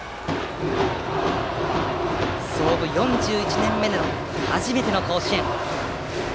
創部４１年目で初めての甲子園。